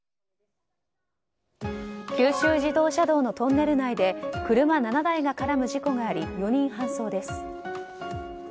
九州自動車道のトンネル内で車７台が絡む事故があり４人搬送です。